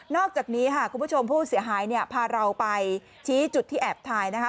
อกจากนี้ค่ะคุณผู้ชมผู้เสียหายเนี่ยพาเราไปชี้จุดที่แอบถ่ายนะคะ